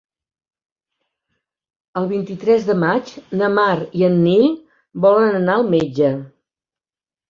El vint-i-tres de maig na Mar i en Nil volen anar al metge.